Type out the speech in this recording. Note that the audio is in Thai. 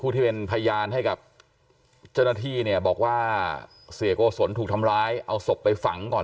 ที่เป็นพยานให้กับเจ้าหน้าที่เนี่ยบอกว่าเสียโกศลถูกทำร้ายเอาศพไปฝังก่อน